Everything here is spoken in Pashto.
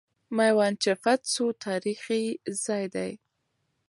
میوند چې فتح سو، تاریخي ځای دی.